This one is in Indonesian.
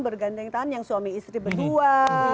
bergandeng tangan yang suami istri berdua